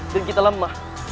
dan kita lemah